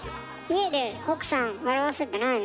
家で奥さん笑わせてないの？